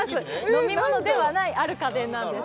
飲み物ではないある家電なんです